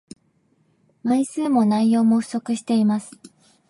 枚数も内容も不足しています